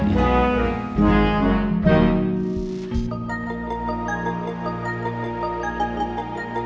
dan berlangganan ya